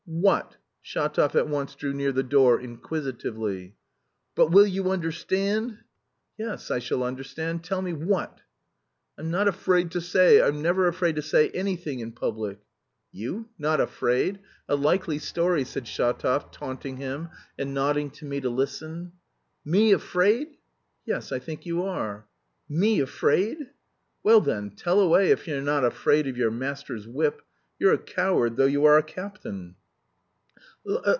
"What?" Shatov at once drew near the door inquisitively. "But will you understand?" "Yes, I shall understand, tell me what?" "I'm not afraid to say! I'm never afraid to say anything in public!..." "You not afraid? A likely story," said Shatov, taunting him, and nodding to me to listen. "Me afraid?" "Yes, I think you are." "Me afraid?" "Well then, tell away if you're not afraid of your master's whip.... You're a coward, though you are a captain!"